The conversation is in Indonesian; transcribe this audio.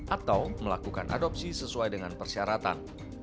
atau melakukan adopsi sesuai dengan persyaratan